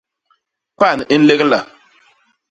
Pan i nlegla.